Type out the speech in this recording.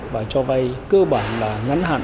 và cho vai cơ bản là ngắn hạn